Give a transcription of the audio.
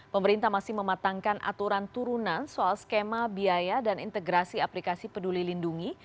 pemerintah masih mematangkan aturan turunan soal skema biaya dan integrasi aplikasi peduli lindungi